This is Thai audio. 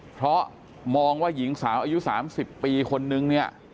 เพราะมองว่าหญิงสาวอายุ๓๐ปีคนนึงเนี่ย